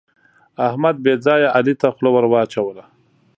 احمد بې ځایه علي ته خوله ور واچوله.